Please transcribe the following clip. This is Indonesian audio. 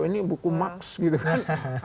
ini buku max gitu kan